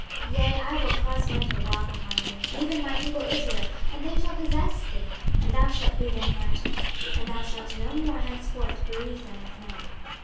26:036:012 Yea, I will cause men to walk upon you, even my people Israel; and they shall possess thee, and thou shalt be their inheritance, and thou shalt no more henceforth bereave them of men.